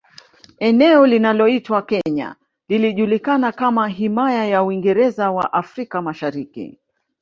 Eneo linaloitwa Kenya lilijulikana kama Himaya ya Uingereza ya Afrika Mashariki